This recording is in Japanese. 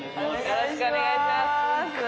よろしくお願いします。